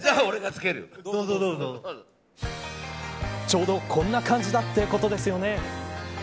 ちょうど、こんな感じだってことですよね。